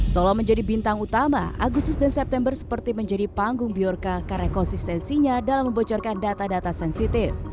solo menjadi bintang utama agustus dan september seperti menjadi panggung biorka karena konsistensinya dalam membocorkan data data sensitif